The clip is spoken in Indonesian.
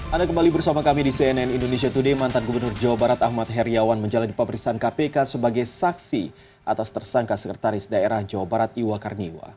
ada kembali bersama kami di cnn indonesia today mantan gubernur jawa barat ahmad heriawan menjalani pemeriksaan kpk sebagai saksi atas tersangka sekretaris daerah jawa barat iwa karniwa